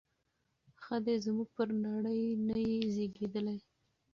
ښه دی زموږ پر نړۍ نه یې زیږیدلی